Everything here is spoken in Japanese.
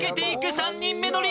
３人目のリーチ。